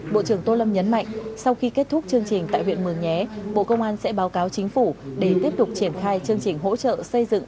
bộ trưởng tô lâm nhấn mạnh sau khi kết thúc chương trình tại huyện mường nhé bộ công an sẽ báo cáo chính phủ để tiếp tục triển khai chương trình hỗ trợ xây dựng